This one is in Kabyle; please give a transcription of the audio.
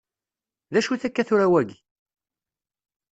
D acu-t akka tura wagi?